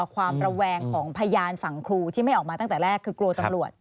ความระแวงของพยานฝั่งครูที่ไม่ออกมาตั้งแต่แรกคือกลัวตำรวจ